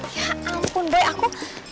ya ampun boy aku